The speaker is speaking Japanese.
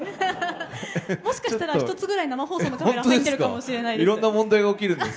もしかしたら、１つぐらい生放送のカメラ入ってるかもしれないです。